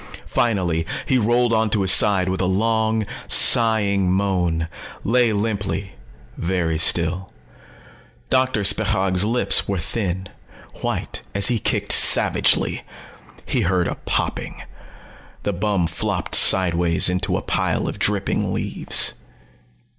Finally he rolled over onto his side with a long sighing moan, lay limply, very still. Doctor Spechaug's lips were thin, white, as he kicked savagely. He heard a popping. The bum flopped sidewise into a pile of dripping leaves.